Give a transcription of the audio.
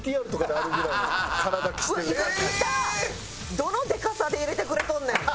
どのでかさで入れてくれとんねん！